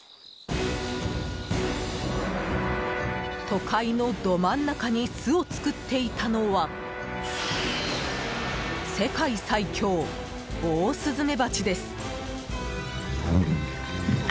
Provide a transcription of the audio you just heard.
都会のど真ん中に巣を作っていたのは世界最凶オオスズメバチです。